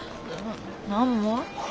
何も。